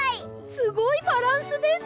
すごいバランスです。